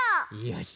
よし。